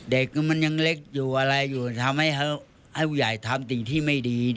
เด็กมันยังเล็กอยู่อะไรอยู่ทำให้ผู้ใหญ่ทำสิ่งที่ไม่ดี